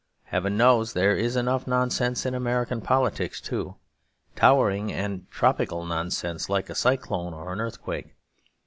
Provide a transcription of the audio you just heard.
Heaven knows there is enough nonsense in American politics too; towering and tropical nonsense like a cyclone or an earthquake.